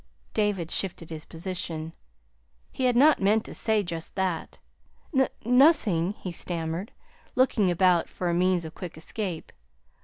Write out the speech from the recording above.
David shifted his position. He had not meant to say just that. "N nothing," he stammered, looking about for a means of quick escape.